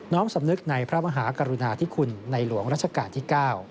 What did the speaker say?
้อมสำนึกในพระมหากรุณาธิคุณในหลวงรัชกาลที่๙